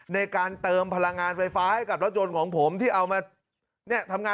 ในการเติมพลังงานไฟฟ้าให้กับรถโจรของผมที่เอามา